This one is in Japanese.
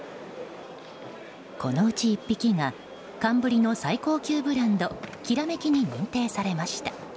このうち１匹が寒ブリの最高級ブランド煌に認定されました。